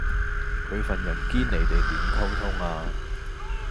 佢份人堅離地點溝通呀